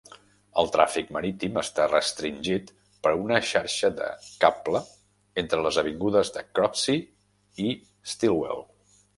El tràfic marítim està restringit per una xarxa de cable entre les avingudes de Cropsey i Stillwell.